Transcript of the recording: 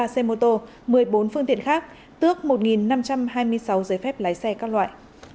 hai tám trăm bảy mươi ba xe ô tô một mươi bốn phương tiện khác tước một năm trăm hai mươi sáu giới phép lái xe các loại